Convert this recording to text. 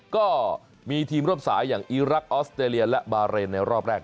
ก็มีทีมร่วมสายอย่างอีรักษ์ออสเตรเลียและบาเรนในรอบแรก